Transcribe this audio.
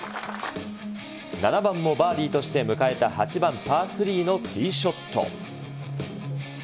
７番もバーディーとして、迎えた８番パー３のティーショット。